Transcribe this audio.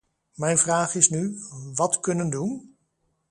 Mijn vraag is nu: wat kunnen doen?